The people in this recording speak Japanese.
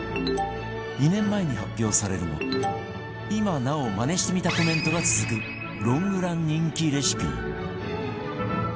２年前に発表されるも今なお「マネしてみた」コメントが続くロングラン人気レシピ